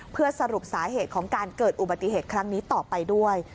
เพื่อสรุปสาเหตุของการเกิดอุบัติเหตุครั้งนี้ต่อไปด้วย